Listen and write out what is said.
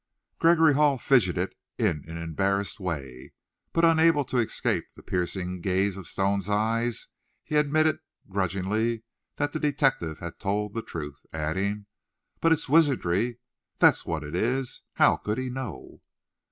Gregory Hall fidgeted in an embarrassed way. But, unable to escape the piercing gaze of Stone's eyes, he admitted grudgingly that the detective had told the truth, adding, "But it's wizardry, that's what it is! How could he know?"